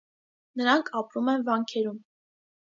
Նրանք ապրում են վանքերում։